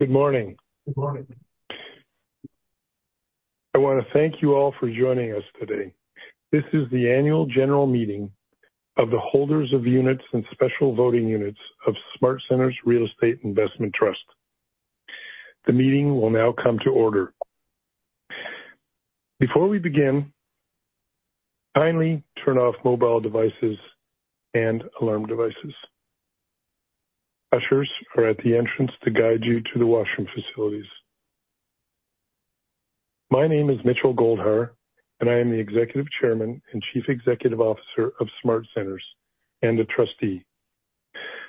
Good morning. Good morning. I want to thank you all for joining us today. This is the annual general meeting of the holders of units and special voting units of SmartCentres Real Estate Investment Trust. The meeting will now come to order. Before we begin, kindly turn off mobile devices and alarm devices. Ushers are at the entrance to guide you to the washroom facilities. My name is Mitchell Goldhar, and I am the Executive Chairman and Chief Executive Officer of SmartCentres and a trustee.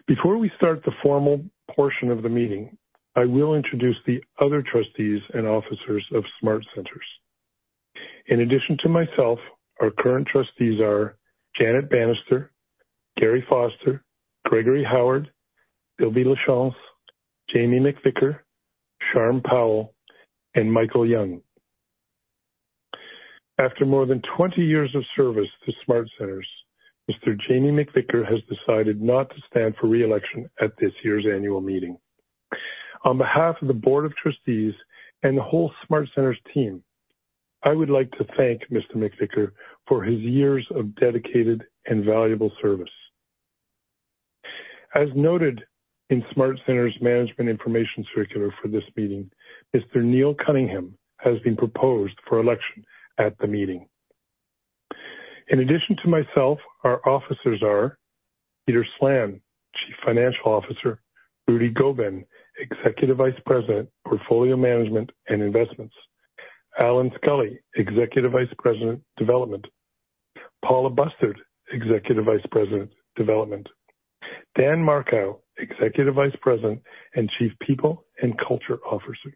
Before we start the formal portion of the meeting, I will introduce the other trustees and officers of SmartCentres. In addition to myself, our current trustees are Janet Bannister, Garry Foster, Gregory Howard, Sylvie Lachance, Jamie McVicar, Sharm Powell, and Michael Young. After more than 20 years of service to SmartCentres, Mr. Jamie McVicar has decided not to stand for reelection at this year's annual meeting. On behalf of the board of trustees and the whole SmartCentres team, I would like to thank Mr. McVicar for his years of dedicated and valuable service. As noted in SmartCentres Management Information Circular for this meeting, Mr. Neil Cunningham has been proposed for election at the meeting. In addition to myself, our officers are Peter Slan, Chief Financial Officer; Rudy Gobin, Executive Vice President, Portfolio Management and Investments; Allan Scully, Executive Vice President, Development; Paula Bustard, Executive Vice President, Development; Dan Markou, Executive Vice President and Chief People and Culture Officer.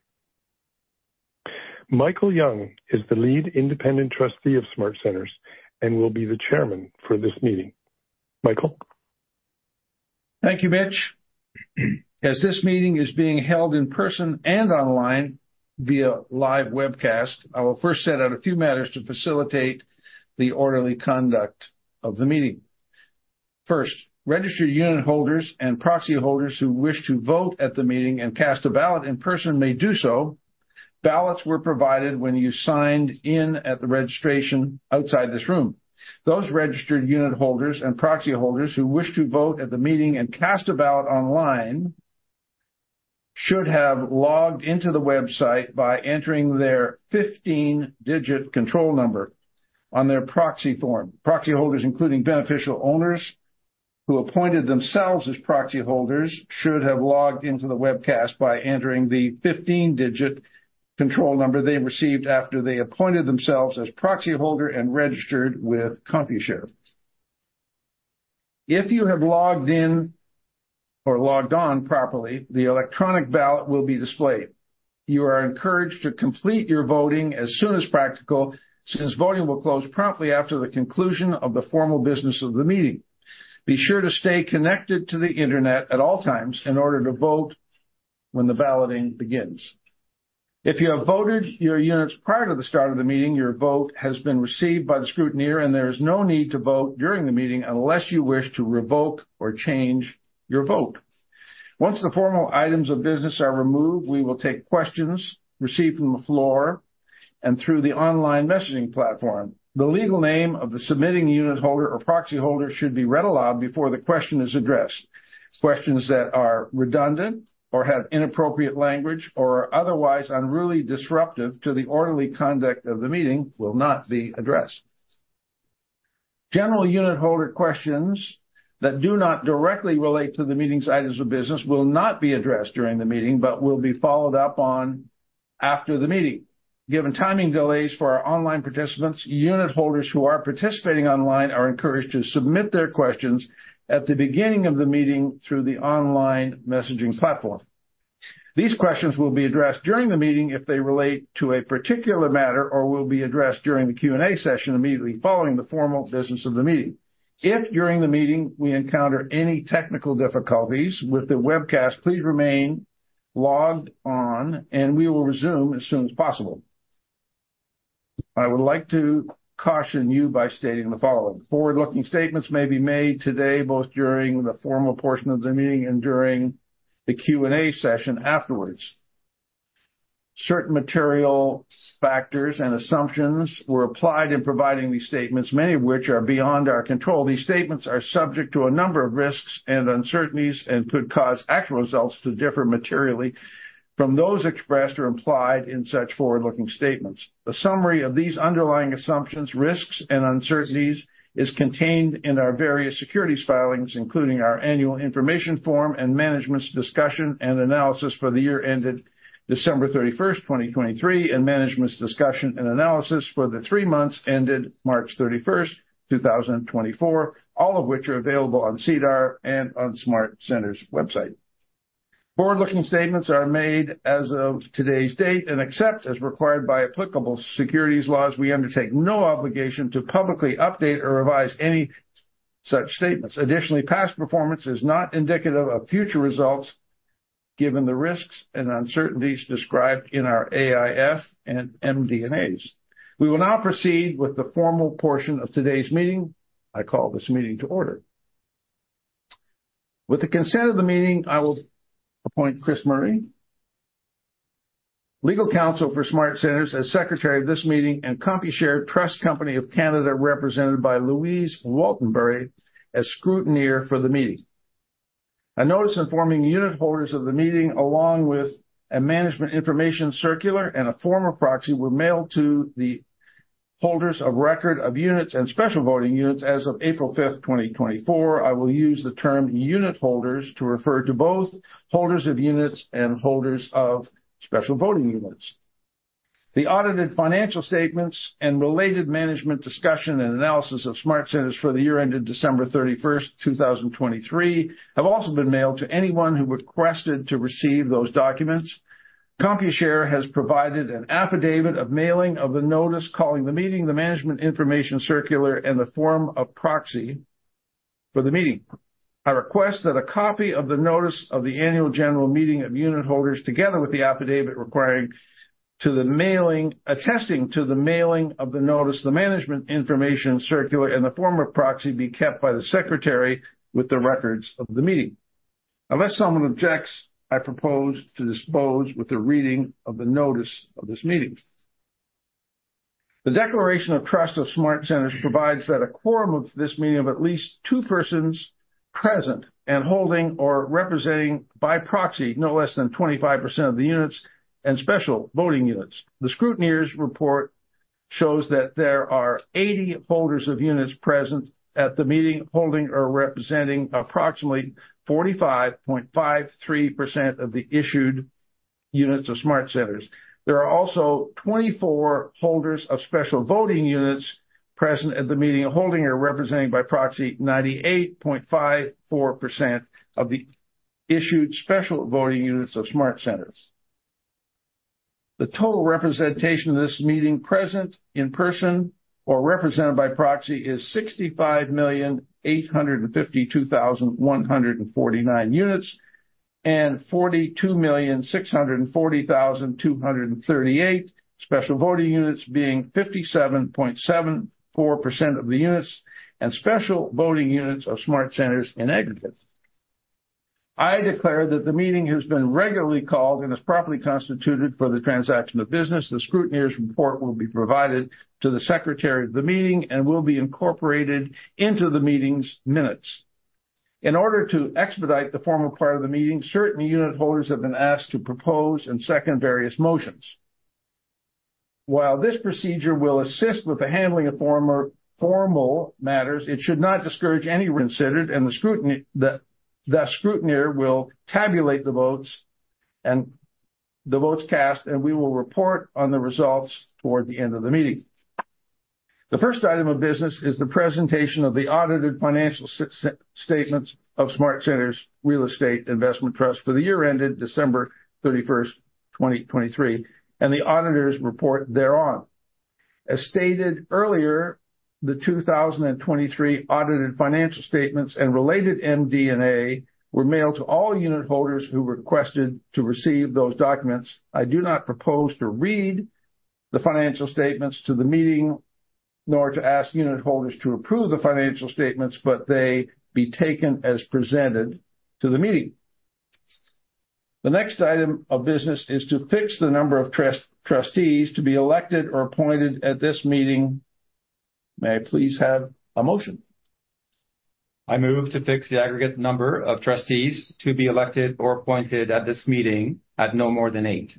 Michael Young is the lead independent trustee of SmartCentres and will be the chairman for this meeting. Michael. Thank you, Mitch. As this meeting is being held in person and online via live webcast, I will first set out a few matters to facilitate the orderly conduct of the meeting. First, registered unit holders and proxy holders who wish to vote at the meeting and cast a ballot in person may do so. Ballots were provided when you signed in at the registration outside this room. Those registered unit holders and proxy holders who wish to vote at the meeting and cast a ballot online should have logged into the website by entering their 15-digit control number on their proxy form. Proxy holders, including beneficial owners who appointed themselves as proxy holders, should have logged into the webcast by entering the 15-digit control number they received after they appointed themselves as proxy holder and registered with Computershare. If you have logged in or logged on properly, the electronic ballot will be displayed. You are encouraged to complete your voting as soon as practical since voting will close promptly after the conclusion of the formal business of the meeting. Be sure to stay connected to the internet at all times in order to vote when the balloting begins. If you have voted your units prior to the start of the meeting, your vote has been received by the scrutineer, and there is no need to vote during the meeting unless you wish to revoke or change your vote. Once the formal items of business are removed, we will take questions received from the floor and through the online messaging platform. The legal name of the submitting unit holder or proxy holder should be read aloud before the question is addressed. Questions that are redundant or have inappropriate language or are otherwise unruly or disruptive to the orderly conduct of the meeting will not be addressed. General unitholder questions that do not directly relate to the meeting's items of business will not be addressed during the meeting but will be followed up on after the meeting. Given timing delays for our online participants, unitholders who are participating online are encouraged to submit their questions at the beginning of the meeting through the online messaging platform. These questions will be addressed during the meeting if they relate to a particular matter or will be addressed during the Q&A session immediately following the formal business of the meeting. If during the meeting we encounter any technical difficulties with the webcast, please remain logged on, and we will resume as soon as possible. I would like to caution you by stating the following: Forward-looking statements may be made today, both during the formal portion of the meeting and during the Q&A session afterwards. Certain material factors and assumptions were applied in providing these statements, many of which are beyond our control. These statements are subject to a number of risks and uncertainties and could cause actual results to differ materially from those expressed or implied in such forward-looking statements. A summary of these underlying assumptions, risks, and uncertainties is contained in our various securities filings, including our Annual Information Form and Management's Discussion and Analysis for the year ended December 31st, 2023, and Management's Discussion and Analysis for the three months ended March 31st, 2024, all of which are available on SEDAR+ and on SmartCentres website. Forward-looking statements are made as of today's date and except as required by applicable securities laws. We undertake no obligation to publicly update or revise any such statements. Additionally, past performance is not indicative of future results given the risks and uncertainties described in our AIF and MD&As. We will now proceed with the formal portion of today's meeting. I call this meeting to order. With the consent of the meeting, I will appoint Chris Murray, legal counsel for SmartCentres as secretary of this meeting, and Computershare Trust Company of Canada, represented by Louise Waltenbury, as scrutineer for the meeting. A notice informing unit holders of the meeting, along with a Management Information Circular and a Form of Proxy, were mailed to the holders of record of units and special voting units as of April 5th, 2024. I will use the term unit holders to refer to both holders of units and holders of special voting units. The audited financial statements and related Management's Discussion and Analysis of SmartCentres for the year ended December 31st, 2023, have also been mailed to anyone who requested to receive those documents. Computershare has provided an affidavit of mailing of the notice calling the meeting, the Management Information Circular, and the Form of Proxy for the meeting. I request that a copy of the notice of the annual general meeting of unit holders, together with the affidavit attesting to the mailing of the notice, the Management Information Circular, and the Form of Proxy, be kept by the secretary with the records of the meeting. Unless someone objects, I propose to dispense with the reading of the notice of this meeting. The declaration of trust of SmartCentres provides that a quorum of this meeting of at least two persons present and holding or representing by proxy no less than 25% of the units and special voting units. The scrutineer's report shows that there are 80 holders of units present at the meeting holding or representing approximately 45.53% of the issued units of SmartCentres. There are also 24 holders of special voting units present at the meeting holding or representing by proxy 98.54% of the issued special voting units of SmartCentres. The total representation of this meeting present in person or represented by proxy is 65,852,149 units and 42,640,238 special voting units, being 57.74% of the units and special voting units of SmartCentres in aggregate. I declare that the meeting has been regularly called and is properly constituted for the transaction of business. The scrutineer's report will be provided to the secretary of the meeting and will be incorporated into the meeting's minutes. In order to expedite the formal part of the meeting, certain unit holders have been asked to propose and second various motions. While this procedure will assist with the handling of formal matters, it should not discourage any considered, and the scrutineer will tabulate the votes cast, and we will report on the results toward the end of the meeting. The first item of business is the presentation of the audited financial statements of SmartCentres Real Estate Investment Trust for the year ended December 31st, 2023, and the auditor's report thereon. As stated earlier, the 2023 audited financial statements and related MD&A were mailed to all unit holders who requested to receive those documents. I do not propose to read the financial statements to the meeting nor to ask unit holders to approve the financial statements, but they be taken as presented to the meeting. The next item of business is to fix the number of trustees to be elected or appointed at this meeting. May I please have a motion? I move to fix the aggregate number of trustees to be elected or appointed at this meeting at no more than eight.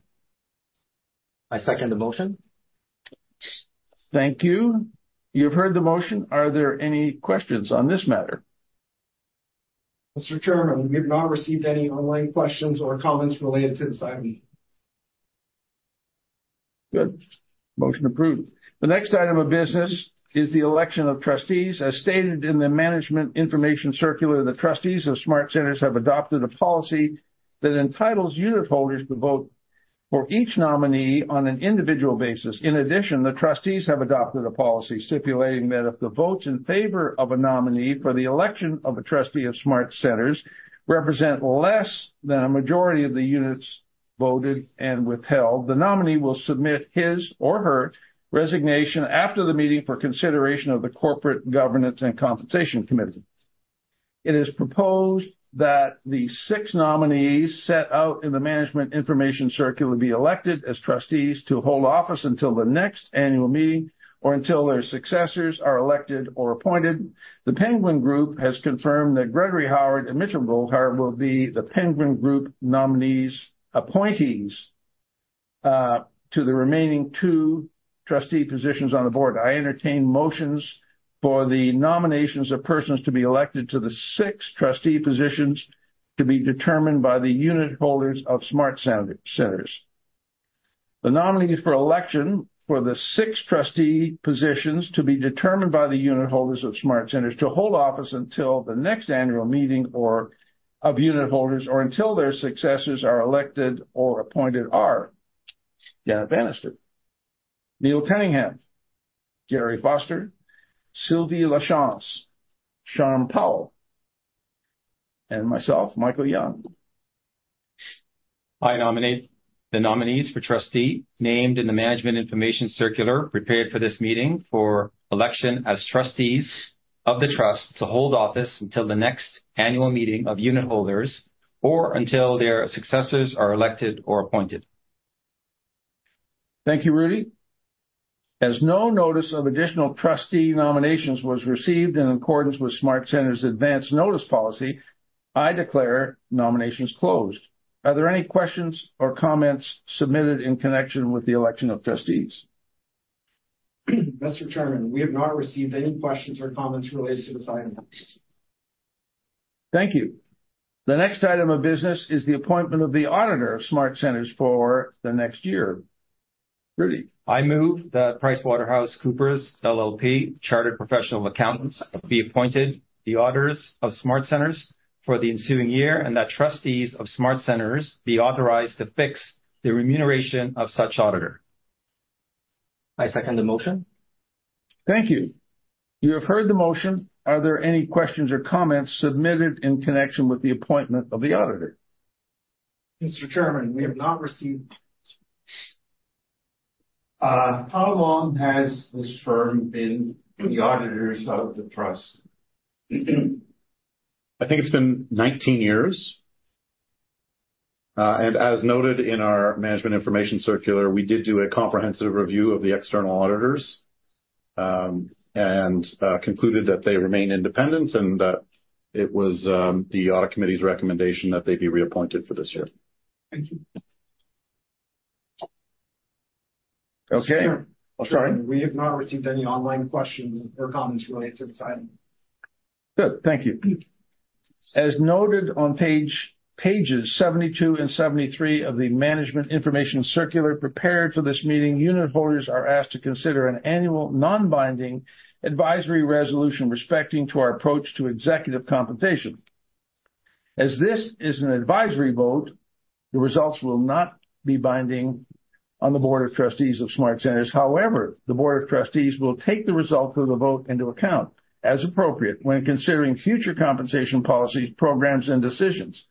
I second the motion. Thank you. You've heard the motion. Are there any questions on this matter? Mr. Chairman, we have not received any online questions or comments related to this item. Good. Motion approved. The next item of business is the election of trustees. As stated in the Management Information Circular, the trustees of SmartCentres have adopted a policy that entitles unit holders to vote for each nominee on an individual basis. In addition, the trustees have adopted a policy stipulating that if the votes in favor of a nominee for the election of a trustee of SmartCentres represent less than a majority of the units voted and withheld, the nominee will submit his or her resignation after the meeting for consideration of the Corporate Governance and Compensation Committee. It is proposed that the six nominees set out in the Management Information Circular be elected as trustees to hold office until the next annual meeting or until their successors are elected or appointed. The Penguin Group has confirmed that Gregory Howard and Mitchell Goldhar will be the Penguin Group nominees' appointees to the remaining two trustee positions on the board. I entertain motions for the nominations of persons to be elected to the six trustee positions to be determined by the unit holders of SmartCentres. The nominees for election for the six trustee positions to be determined by the unit holders of SmartCentres to hold office until the next annual meeting of unit holders or until their successors are elected or appointed are: Janet Bannister, Neil Cunningham, Garry Foster, Sylvie Lachance, Sharm Powell, and myself, Michael Young. I nominate the nominees for trustee named in the Management Information Circular prepared for this meeting for election as trustees of the trust to hold office until the next annual meeting of unit holders or until their successors are elected or appointed. Thank you, Rudy. As no notice of additional trustee nominations was received in accordance with SmartCentres' advance notice policy, I declare nominations closed. Are there any questions or comments submitted in connection with the election of trustees? Mr. Chairman, we have not received any questions or comments related to this item. Thank you. The next item of business is the appointment of the auditor of SmartCentres for the next year. Rudy. I move that PricewaterhouseCoopers LLP, Chartered Professional Accountants, be appointed the auditors of SmartCentres for the ensuing year and that trustees of SmartCentres be authorized to fix the remuneration of such auditor. I second the motion. Thank you. You have heard the motion. Are there any questions or comments submitted in connection with the appointment of the auditor? Mr. Chairman, we have not received. How long has this firm been the auditors of the trust? I think it's been 19 years. As noted in our Management Information Circular, we did do a comprehensive review of the external auditors and concluded that they remain independent and that it was the audit committee's recommendation that they be reappointed for this year. Thank you. Okay. I'm sorry? We have not received any online questions or comments related to this item. Good. Thank you. As noted on pages 72 and 73 of the Management Information Circular prepared for this meeting, unit holders are asked to consider an annual non-binding advisory resolution respecting to our approach to executive compensation. As this is an advisory vote, the results will not be binding on the board of trustees of SmartCentres. However, the board of trustees will take the results of the vote into account as appropriate when considering future compensation policies, programs, and decisions.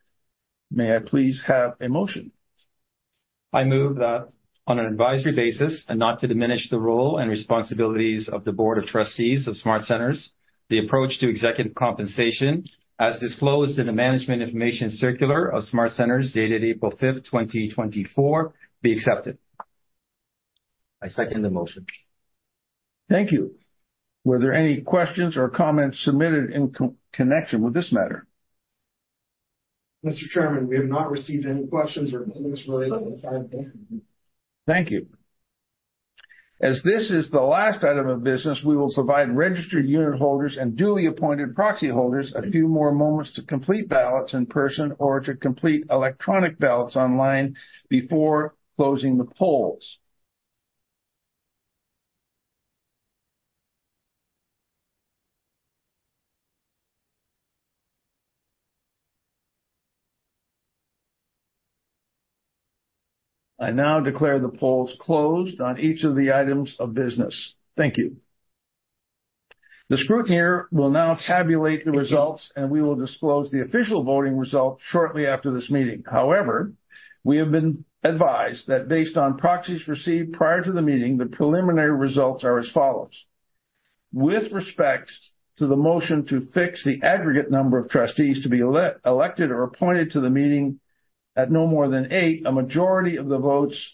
May I please have a motion? I move that on an advisory basis and not to diminish the role and responsibilities of the board of trustees of SmartCentres, the approach to executive compensation as disclosed in the Management Information Circular of SmartCentres dated April 5th, 2024, be accepted. I second the motion. Thank you. Were there any questions or comments submitted in connection with this matter? Mr. Chairman, we have not received any questions or comments related to this item. Thank you. As this is the last item of business, we will provide registered unit holders and duly appointed proxy holders a few more moments to complete ballots in person or to complete electronic ballots online before closing the polls. I now declare the polls closed on each of the items of business. Thank you. The scrutineer will now tabulate the results, and we will disclose the official voting results shortly after this meeting. However, we have been advised that based on proxies received prior to the meeting, the preliminary results are as follows. With respect to the motion to fix the aggregate number of trustees to be elected or appointed to the meeting at no more than eight, a majority of the votes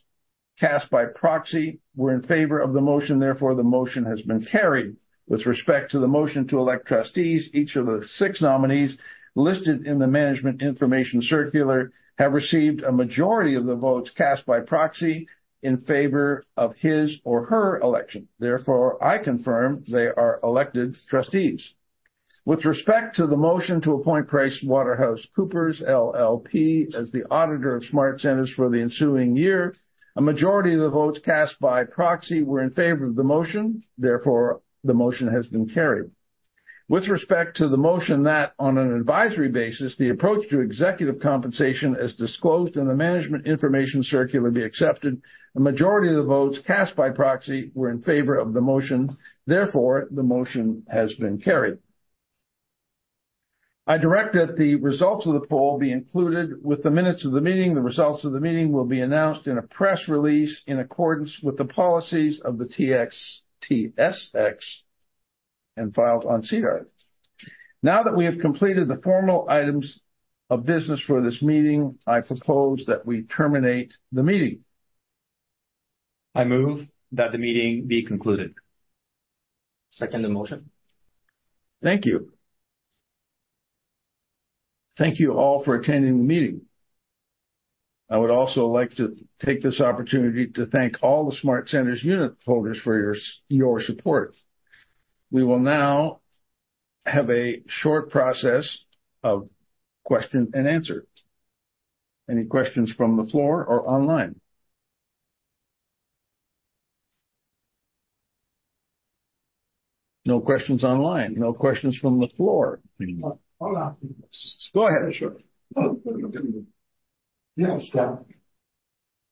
cast by proxy were in favor of the motion. Therefore, the motion has been carried. With respect to the motion to elect trustees, each of the six nominees listed in the Management Information Circular have received a majority of the votes cast by proxy in favor of his or her election. Therefore, I confirm they are elected trustees. With respect to the motion to appoint PricewaterhouseCoopers LLP as the auditor of SmartCentres for the ensuing year, a majority of the votes cast by proxy were in favor of the motion. Therefore, the motion has been carried. With respect to the motion that on an advisory basis, the approach to executive compensation as disclosed in the Management Information Circular be accepted, a majority of the votes cast by proxy were in favor of the motion. Therefore, the motion has been carried. I direct that the results of the poll be included with the minutes of the meeting. The results of the meeting will be announced in a press release in accordance with the policies of the TSX and filed on SEDAR+. Now that we have completed the formal items of business for this meeting, I propose that we terminate the meeting. I move that the meeting be concluded. I second the motion. Thank you. Thank you all for attending the meeting. I would also like to take this opportunity to thank all the SmartCentres unit holders for your support. We will now have a short process of question and answer. Any questions from the floor or online? No questions online. No questions from the floor. Hold on. Go ahead. Sure.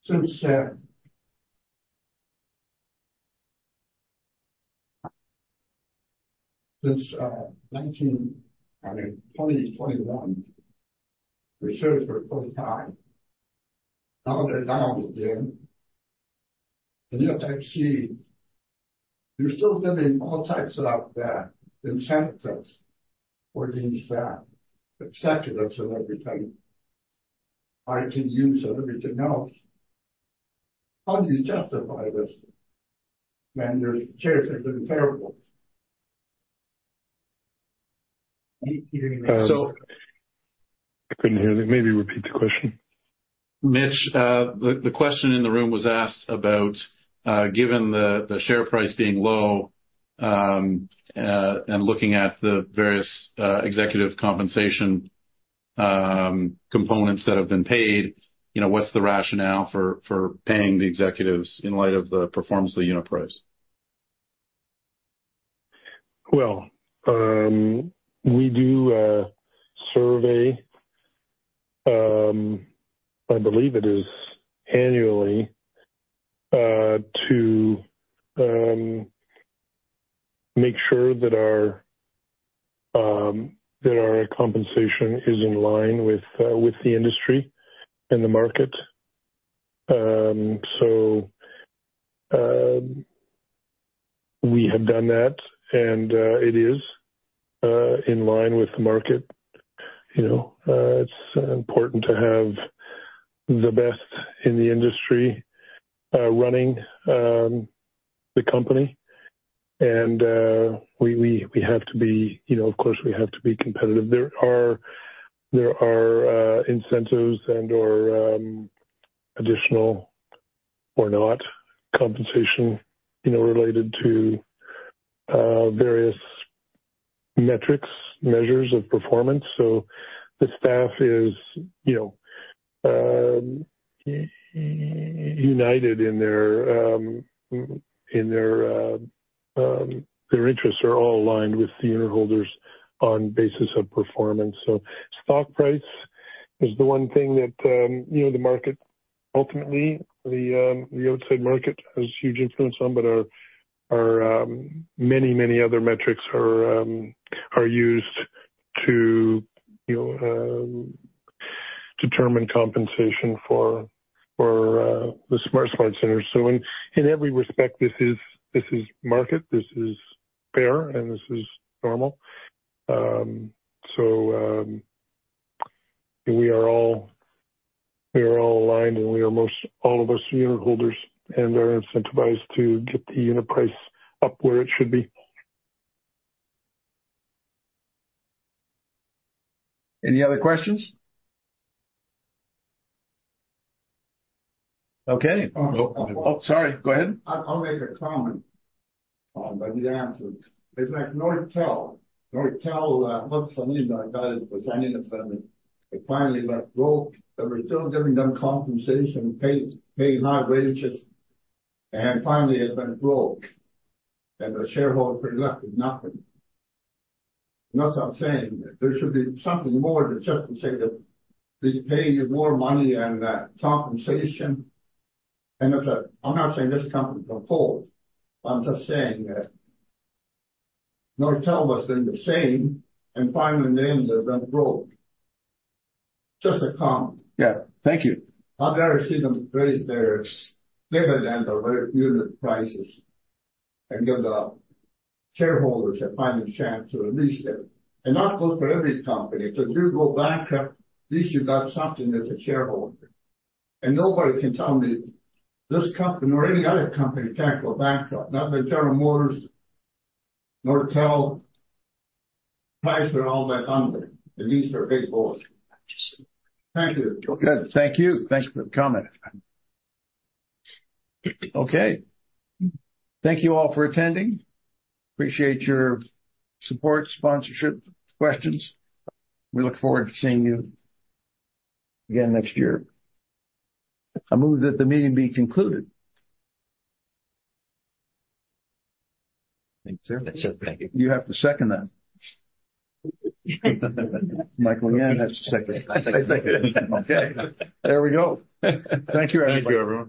Since 19, I mean, 2021, we served for 45. Now that I'm with them, in your type C, you're still giving all types of incentives for these executives and everything, RSUs and everything else. How do you justify this when your shares are doing terribly? I couldn't hear you. Maybe repeat the question. Mitch, the question in the room was asked about given the share price being low and looking at the various executive compensation components that have been paid, what's the rationale for paying the executives in light of the performance of the unit price? Well, we do a survey, I believe it is annually, to make sure that our compensation is in line with the industry and the market. So we have done that, and it is in line with the market. It's important to have the best in the industry running the company, and we have to be of course, we have to be competitive. There are incentives and/or additional or not compensation related to various metrics, measures of performance. So the staff is united in their interests are all aligned with the unit holders on basis of performance. So stock price is the one thing that the market ultimately, the outside market has huge influence on, but many, many other metrics are used to determine compensation for the SmartCentres. So in every respect, this is market. This is fair, and this is normal. We are all aligned, and we are most all of us unit holders and are incentivized to get the unit price up where it should be. Any other questions? Okay. Oh, sorry. Go ahead. I'll make a comment on what you answered. It's like Nortel. Nortel looks to me like I was an indigent They finally went broke. They were still giving them compensation, paying high wages, and finally had been broke. The shareholders were left with nothing. That's what I'm saying. There should be something more than just to say that they pay you more money and compensation. I'm not saying this company's going to fold. I'm just saying that Nortel was doing the same, and finally in the end, they went broke. Just a comment. Yeah. Thank you. I've never seen them raise their dividend or raise unit prices and give the shareholders a fighting chance to realize it. And not go for every company. If you do go bankrupt, at least you got something as a shareholder. And nobody can tell me this company or any other company can't go bankrupt, not General Motors, Nortel. Chrysler all went under, and these are big boards. Thank you. Good. Thank you. Thanks for the comment. Okay. Thank you all for attending. Appreciate your support, sponsorship, questions. We look forward to seeing you again next year. I move that the meeting be concluded. Thank you, sir. That's it. Thank you. You have to second that. Michael Young has to second it. I second it. Okay. There we go. Thank you, everybody. Thank you, everybody.